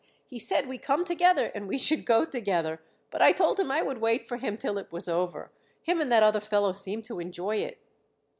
"He said we come together and we should go together, but I told him I would wait for him till it was over. Him and that other fellow seem to enjoy it."